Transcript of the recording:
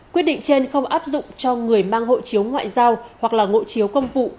quyết định trên không áp dụng cho người mang hộ chiếu ngoại giao hoặc là hộ chiếu công vụ